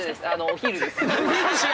お昼です。